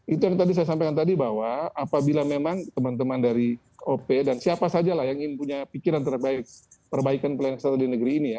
itu yang tadi saya sampaikan tadi bahwa apabila memang teman teman dari op dan siapa saja lah yang ingin punya pikiran terbaik perbaikan pelayanan kesehatan di negeri ini ya